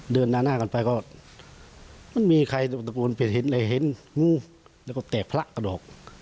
เดินหน้ากันไปก็ไม่มีใครตะโกนไปเห็นอะไรเห็นงูแล้วก็แตกพระกระดอก